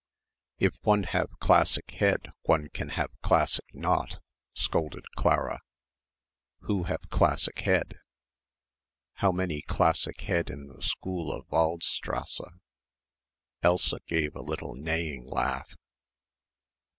"If one have classic head one can have classic knot," scolded Clara. "Who have classic head?" "How many classic head in the school of Waldstrasse?" Elsa gave a little neighing laugh.